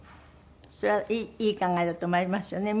それはいい考えだと思いますよね。